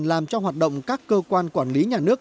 làm cho hoạt động các cơ quan quản lý nhà nước